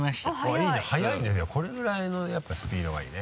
いいね速いねでもこれぐらいのスピードがいいね。